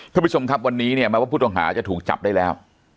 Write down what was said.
ผู้คลมชมทัพวันนี้เนี่ยเพราะว่าผู้ต้องหาจะถูกจับได้แล้ว